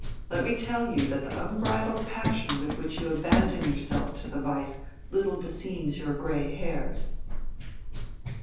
Let me tell you that the unbridled passion with which you abandon yourself to the vice little beseems your grey hairs."